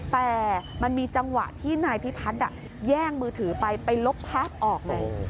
แต่มันมีจังหวะที่นายพิพัฒน์แย่งมือถือไปไปลบภาพออกไง